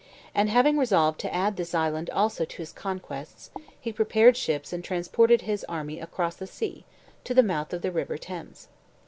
And having resolved to add this island also to his conquests, he prepared ships and transported his army across the sea, to the mouth of the River Thames.